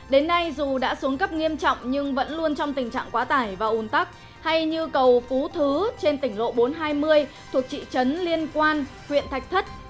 đến nay dù đã xuống cấp nghiêm trọng nhưng vẫn luôn trong tình trạng quá tải và ồn tắc hay như cầu phú thứ trên tỉnh lộ bốn trăm hai mươi thuộc trị trấn liên quan huyện thạch thất